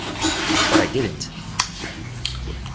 But I didn't.